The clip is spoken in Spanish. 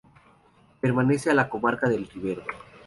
Pertenece a la comarca del Ribero.